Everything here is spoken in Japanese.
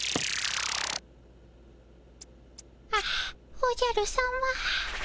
あっおじゃるさま。